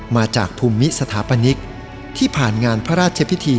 มาจากภูมิสถาปนิกที่ผ่านงานพระราชพิธี